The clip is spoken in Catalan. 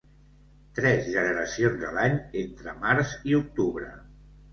Tres generacions a l'any entre març i octubre.